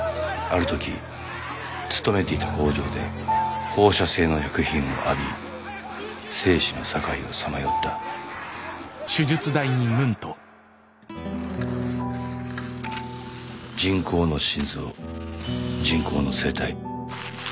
ある時勤めていた工場で放射性の薬品を浴び生死の境をさまよった人工の心臓人工の声帯合成の血液。